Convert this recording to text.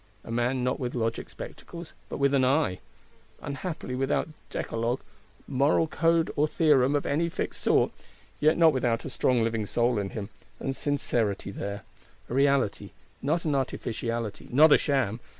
A man not with logic spectacles; but with an eye! Unhappily without Decalogue, moral Code or Theorem of any fixed sort; yet not without a strong living Soul in him, and Sincerity there: a Reality, not an Artificiality, not a Sham!